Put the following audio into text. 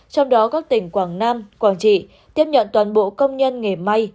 trong đó các tỉnh quảng nam quảng trị tiếp nhận toàn bộ công nhân nghề may